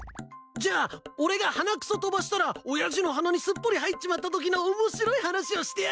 じゃあ俺が鼻くそ飛ばしたら親父の鼻にすっぽり入っちまったときの面白い話をしてやるよ。